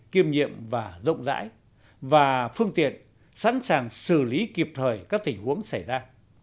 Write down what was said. kiêm nhiệm và rộng rãi và phương tiện sẵn sàng xử lý kịp thời các tình huống xảy ra